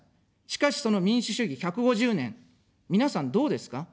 しかし、その民主主義１５０年、皆さんどうですか。